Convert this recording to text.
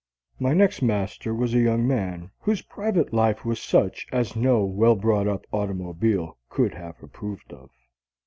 My next master was a young man whose private life was such as no well brought up automobile could have approved of.